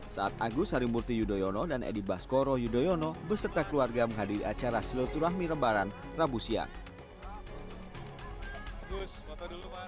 saat agus harimurti yudhoyono dan edi baskoro yudhoyono beserta keluarga menghadiri acara silaturahmi lebaran rabu siang